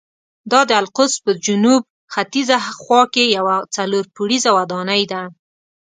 دا د القدس په جنوب ختیځه خوا کې یوه څلور پوړیزه ودانۍ ده.